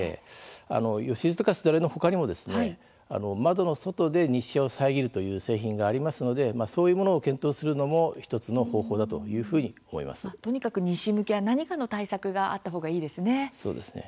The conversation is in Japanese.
よしずとか、すだれのほかにも窓の外で日射を遮るという製品がありますのでそういうものを検討するのも１つの方法だというふうにとにかく西向きは何かの対策があったほうがいいですね。